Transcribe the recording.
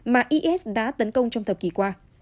mà isis đã tấn công trong thập kỷ qua